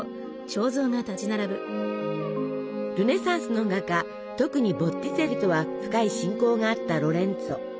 ルネサンスの画家特にボッティチェリとは深い親交があったロレンツォ。